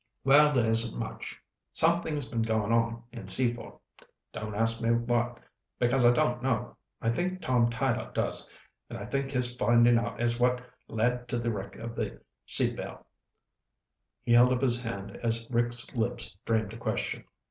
Well, there isn't much. Something's been going on in Seaford. Don't ask me what, because I don't know. I think Tom Tyler does, and I think his finding out is what led to the wreck of the Sea Belle." He held up his hand as Rick's lips framed a question.